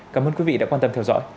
cảm ơn quý vị đã quan tâm theo dõi